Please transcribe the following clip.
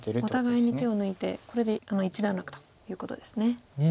お互いに手を抜いてこれで一段落ということですね。